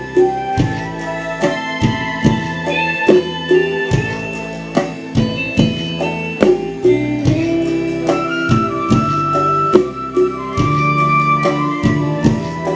เพลงที่๖